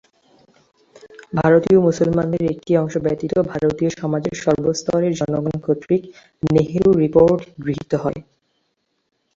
ভারতীয় মুসলমানদের একটি অংশ ব্যতীত ভারতীয় সমাজের সর্বস্তরের জনগণ কর্তৃকনেহেরু রিপোর্ট গৃহীত হয়।